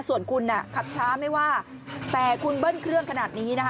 ส่วนคุณขับช้าไม่ว่าแต่คุณเบิ้ลเครื่องขนาดนี้นะคะ